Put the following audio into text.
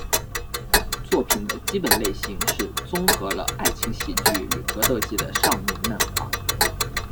作品的基本类型是综合了爱情喜剧与格斗技的少年漫画。